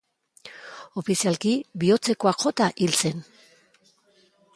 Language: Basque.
Ofizialki bihotzekoak jota hil zen.